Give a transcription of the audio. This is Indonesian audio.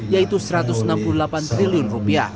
yaitu rp satu ratus enam puluh delapan triliun